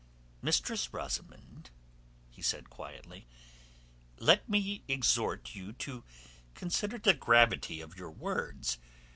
"Mistress Rosamund," he said quietly, "let me exhort you to consider the gravity of your words.